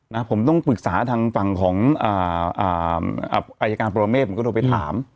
นะผมต้องปรึกษาทางฝั่งของอ่าอ่าอายการปรเมฆผมก็โทรไปถาม